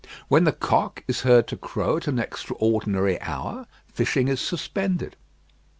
When the cock is heard to crow at an extraordinary hour, fishing is suspended.